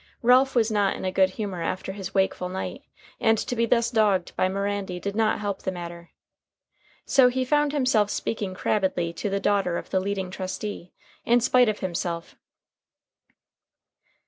Ralph was not in a good humor after his wakeful night, and to be thus dogged by Mirandy did not help the matter. So he found himself speaking crabbedly to the daughter of the leading trustee, in spite of himself.